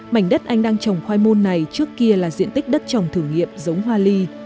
mảnh đất anh đang trồng khoai môn này trước kia là diện tích đất trồng thử nghiệm giống hoa ly